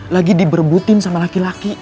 lagi diberbutin sama laki laki